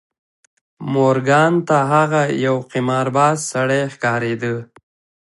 مورګان ته هغه یو قمارباز سړی ښکارېده